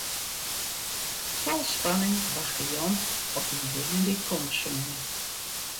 Fol spanning wachte Jan op de dingen dy't komme soene.